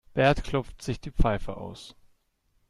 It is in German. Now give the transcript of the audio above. Bert klopft sich die Pfeife aus.